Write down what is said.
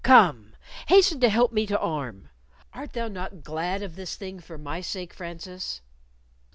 Come, hasten to help me to arm! Art thou not glad of this thing for my sake, Francis?"